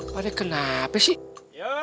pada kenapa sih